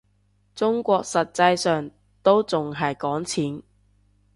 中國實際上都仲係講錢